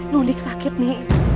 nuni sakit nuni